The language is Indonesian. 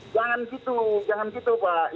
jangan gitu jangan gitu pak